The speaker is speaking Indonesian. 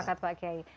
pakat pak kiai